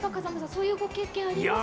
そういうご経験ありますか？